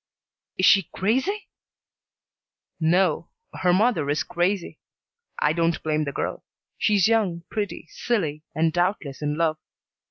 "Is she crazy?" "No. Her mother is crazy. I don't blame the girl. She's young, pretty, silly, and doubtless in love.